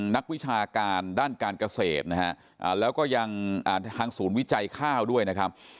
นักวิชาการด้านการเกษตรนะฮะแล้วก็ยังทางศูนย์วิจัยข้าวด้วยนะครับ